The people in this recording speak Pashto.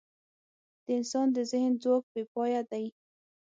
د انسان د ذهن ځواک بېپایه دی.